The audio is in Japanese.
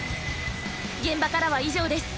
現場からは以上です。